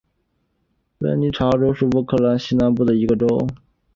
文尼察州是乌克兰西南部的一个州。